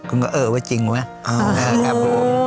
คุณก็เอ่อว่าจริงไหม